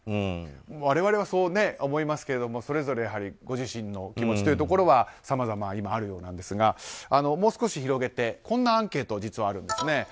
我々はそう思いますけれどもそれぞれご自身の気持ちというところはさまざま、今あるようなんですがもう少し広げてこんなアンケートがあるんですね。